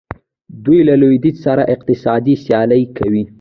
دوی له لویدیځ سره اقتصادي سیالي کوي.